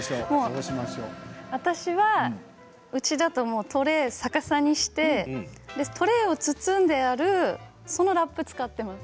私は、うちだとトレーを逆さにしてトレーを包んであるそのラップを使っています。